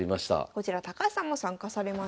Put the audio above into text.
こちら高橋さんも参加されました。